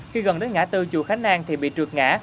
khi gần đến ngã tư chùa khánh an thì bị trượt ngã